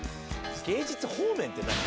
芸術方面って何？